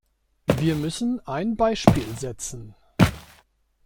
Wir müssen ein Beispiel setzen.